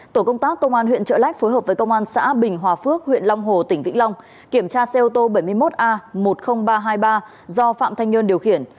tổ công tác công an huyện trợ lách phối hợp với công an xã bình hòa phước huyện long hồ tỉnh vĩnh long kiểm tra xe ô tô bảy mươi một a một mươi nghìn ba trăm hai mươi ba do phạm thanh nhơn điều khiển